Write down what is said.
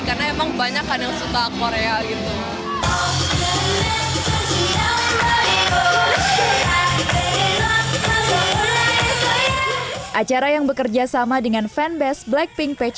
karena emang banyak kan yang suka korea gitu acara yang bekerja sama dengan fanbase blackpink